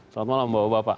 selamat malam bapak bapak